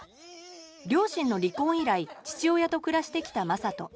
両親の離婚以来父親と暮らしてきた正門。